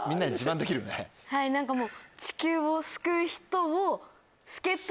はい何かもう。